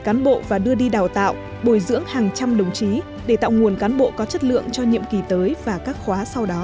cán bộ và đưa đi đào tạo bồi dưỡng hàng trăm đồng chí để tạo nguồn cán bộ có chất lượng cho nhiệm kỳ tới và các khóa sau đó